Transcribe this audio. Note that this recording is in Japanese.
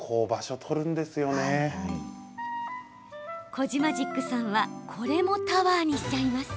コジマジックさんはこれもタワーにしちゃいます。